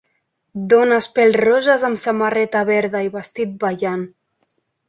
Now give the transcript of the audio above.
dones pèl-roges amb samarreta verda i vestit ballant